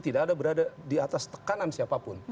tidak ada berada di atas tekanan siapapun